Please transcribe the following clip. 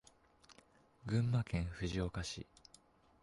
群馬県藤岡市